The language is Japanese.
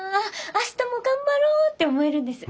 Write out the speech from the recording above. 明日も頑張ろう」って思えるんです。